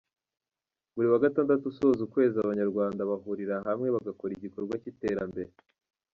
Buri wa Gatandatu usoza ukwezi abanyarwanda bahurira hamwe bagakora igikorwa cy’iterambere.